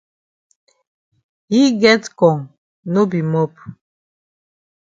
Yi get kong no be mop.